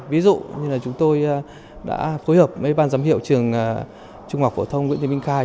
ví dụ như là chúng tôi đã phối hợp với ban giám hiệu trường trung học phổ thông nguyễn thị minh khai